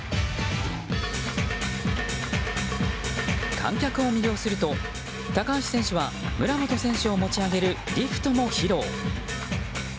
観客を魅了すると高橋さんは村元選手を持ち上げるリフトも披露。